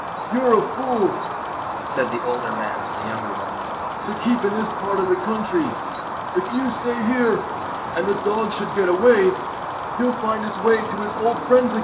" You 're a fool," said the older man to the younger one, "to keep in this part of the country. If you stay here, and the dog should get away, he 'll find his way to his old friends again."